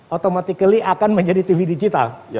automatically akan menjadi tv digital